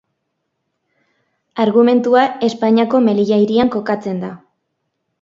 Argumentua Espainiako Melilla hirian kokatzen da.